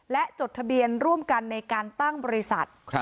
และจดทะเบียนร่วมกันในการตั้งบริษัท